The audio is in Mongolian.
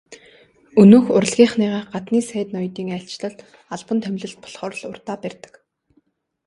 Өнөөх урлагийнхныгаа гаднын сайд ноёдын айлчлал, албан томилолт болохоор л урдаа барьдаг.